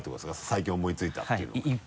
最近思いついたっていうのが。